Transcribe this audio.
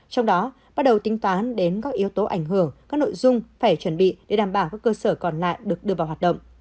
trong đó bắt đầu tính toán đến các yếu tố ảnh hưởng các nội dung phải chuẩn bị để đảm bảo các cơ sở còn lại được đưa vào hoạt động